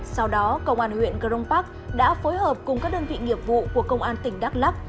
sau đó công an huyện gronpak đã phối hợp cùng các đơn vị nghiệp vụ của công an tỉnh đắk lắk